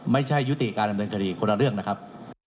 ยุติการดำเนินคดีคนละเรื่องนะครับ